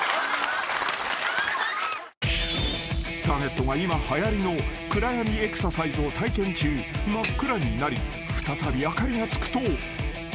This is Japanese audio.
［ターゲットが今はやりの暗闇エクササイズを体験中真っ暗になり再び明かりがつくと］